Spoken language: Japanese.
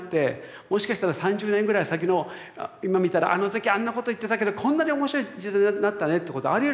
もしかしたら３０年ぐらい先の今見たらあの時あんなこと言ってたけどこんなに面白い時代になったねってことありえるかもしれない。